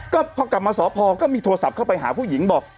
ก็พอกลับมาสพก็มีโทรศัพท์เข้าไปหาผู้หญิงบอก